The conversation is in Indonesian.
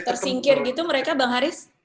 tersingkir gitu mereka bang haris